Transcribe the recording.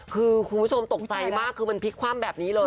คือคุณผู้ชมตกใจมากคือมันพลิกคว่ำแบบนี้เลย